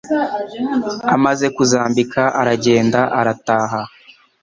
Amaze kuzambika aragenda arataha